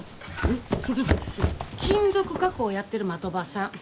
金属加工やってる的場さん。